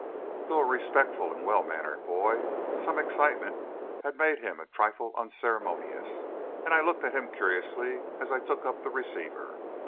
Though a respectful and well mannered boy, some excitement had made him a trifle unceremonious, and I looked at him curiously as I took up the receiver.